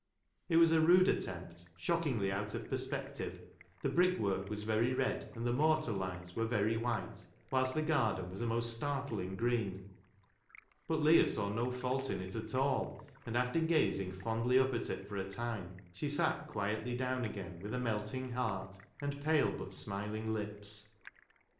It was a rude attempt, shockingly out of perspective, — the brickwork was very red, and the mortar lines were very white, whilst the garden was a most startling green, — but Leah saw no fault in it at all ; and after gazing fondly up at it for a time, she sat quietly down again with a melting heart and pale but smiling lips.